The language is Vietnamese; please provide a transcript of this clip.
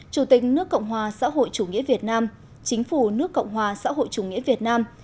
chủ tịch nước cộng hòa xã hội chủ nghĩa việt nam chính phủ nước cộng hòa xã hội chủ nghĩa việt nam